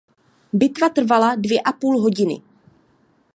Bitva trvala dvě a půl hodiny.